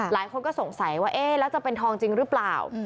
หลายคนก็สงสัยว่าเอ๊ะแล้วจะเป็นทองจริงหรือเปล่า